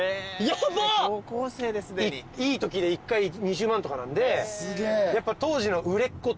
いいときで１回２０万とかなんで。